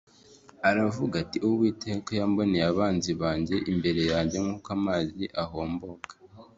aravuga ati “Uwiteka yahomboreye abanzi banjye imbere yanjye nk’uko amazi ahomboka.”